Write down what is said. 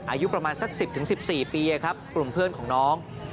อายุประมาณสัก๑๐๑๔ปีครับกลุ่มเพื่อนของน้อง